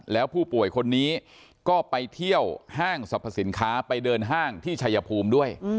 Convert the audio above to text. แล้วผู้ป่วยคนนี้ก็ไปเที่ยวห้างสรรพสินค้าไปเดินห้างที่ชายภูมิด้วย